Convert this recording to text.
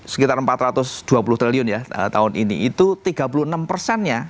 sekitar empat ratus dua puluh triliun ya tahun ini itu tiga puluh enam persennya